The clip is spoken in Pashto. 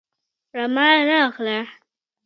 رمه راغله